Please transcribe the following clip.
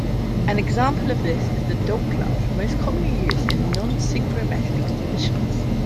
An example of this is the dog clutch, most commonly used in non-synchromesh transmissions.